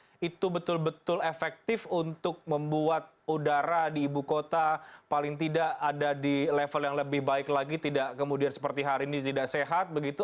apakah itu betul betul efektif untuk membuat udara di ibu kota paling tidak ada di level yang lebih baik lagi tidak kemudian seperti hari ini tidak sehat begitu